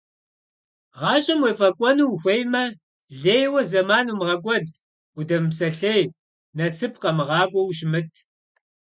Гъащӏэм уефӏэкӏуэну ухуеймэ, лейуэ зэман умыгъэкӏуэд, удэмыпсэлъей, насып къэмыгъакӏуэу ущымыт.